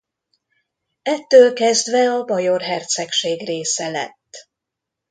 Ettől kezdve a Bajor Hercegség része lett.